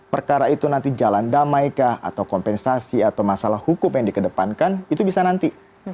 perkara itu nanti jalan damaikah atau kompensasi atau masalah hukum yang dikedepankan itu bisa nanti